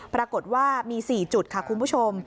ปรากฏว่ามี๔จุดค่ะคุณผู้ชม